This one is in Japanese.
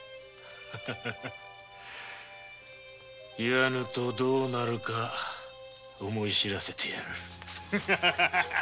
言わぬとどうなるか思い知らせてやる。